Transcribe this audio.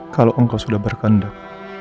kalo engkau sudah berkandak